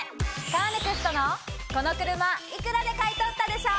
カーネクストのこの車幾らで買い取ったでしょ！